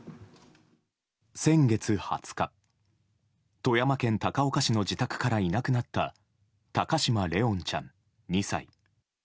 先月２０日、富山県高岡市の自宅からいなくなった高嶋怜音ちゃん、２歳。